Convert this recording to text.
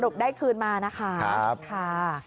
สะดวกได้คืนมานะคะ